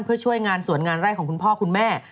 เพื่อช่วยงานสวนงานไร่ของคุณพ่อคุณแม่